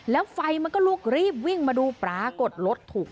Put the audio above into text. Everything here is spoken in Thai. แล้วไฟมันก็ลุกรีบวิ่งมาดูปรากฏรถถูก